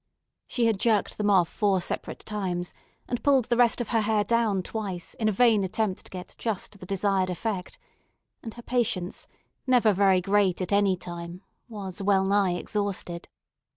She had jerked them off four separate times, and pulled the rest of her hair down twice in a vain attempt to get just the desired effect; and her patience, never very great at any time, was well nigh exhausted.